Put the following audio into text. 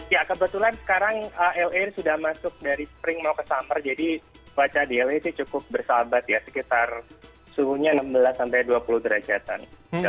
ya kebetulan sekarang la sudah masuk dari spring mau ke summer jadi cuaca di la sih cukup bersahabat ya sekitar suhunya enam belas sampai dua puluh derajat